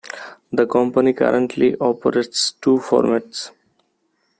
The company currently operates two formats.